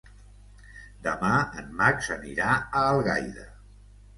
Demà en Max anirà a Algaida.